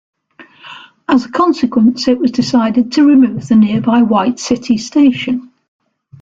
As a consequence, it was decided to remove the nearby White City station.